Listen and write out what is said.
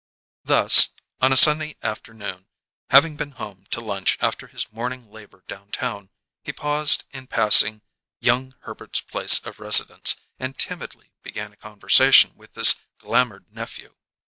Thus, on a sunny afternoon, having been home to lunch after his morning labour downtown, he paused in passing young Herbert's place of residence and timidly began a conversation with this glamoured nephew.